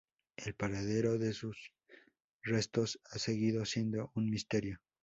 El paradero de sus restos ha seguido siendo un misterio.